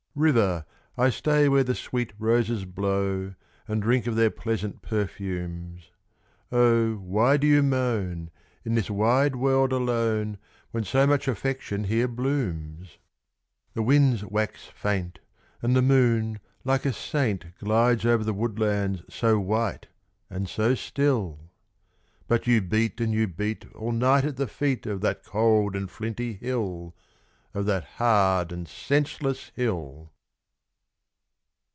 "River, I stay where the sweet roses blow, And drink of their pleasant perfumes! Oh, why do you moan, in this wide world alone, When so much affection here blooms? The winds wax faint, And the Moon like a Saint Glides over the woodlands so white and so still! But you beat and you beat All night at the feet Of that cold and flinty hill Of that hard and senseless hill!"